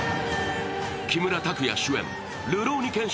木村拓哉主演「るろうに剣心」